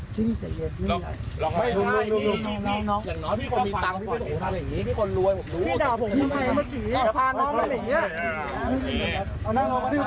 ใช่ค่ะ